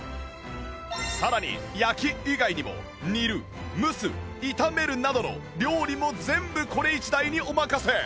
さらに焼き以外にも煮る蒸す炒めるなどの料理も全部これ一台にお任せ！